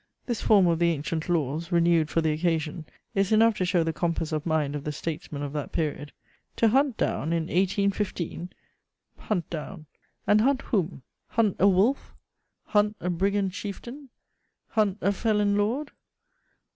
This form of the ancient laws, renewed for the occasion, is enough to show the compass of mind of the statesmen of that period. "To hunt down" in 1815! "Hunt down!" And "hunt" whom? "Hunt" a wolf? "Hunt" a brigand chieftain? "Hunt" a felon lord?